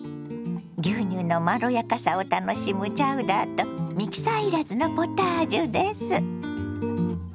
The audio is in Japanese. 牛乳のまろやかさを楽しむチャウダーとミキサー要らずのポタージュです。